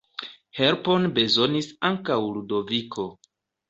Helpon bezonis ankaŭ Ludoviko.